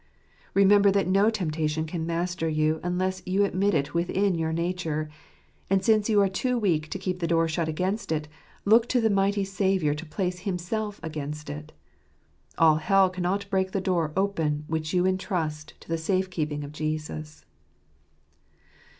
Re member that no temptation can master you unless you admit it within your nature; and since you are too weak to keep the door shut against it, look to the mighty Saviour to place Himself against it. All hell cannot break the door open which you entrust to the safe keeping of Jesus.